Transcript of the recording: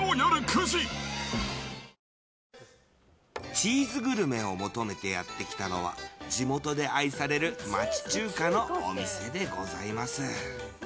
チーズグルメを求めてやってきたのは地元で愛される町中華のお店でございます。